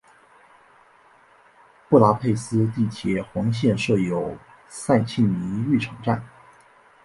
布达佩斯地铁黄线设有塞切尼浴场站。